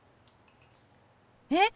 えっ！